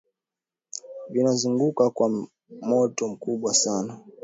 vinazunguka kwa moto mkubwa sana